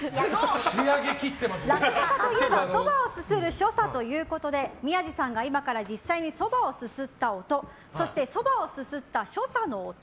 落語家といえばそばをすする所作ということで宮治さんが今から実際にそばをすすった音そして、そばをすすった所作の音